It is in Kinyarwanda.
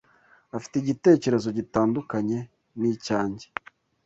Afite igitekerezo gitandukanye nicyanjye.